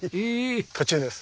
途中です。